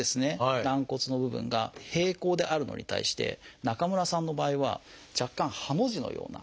軟骨の部分が平行であるのに対して中村さんの場合は若干ハの字のような。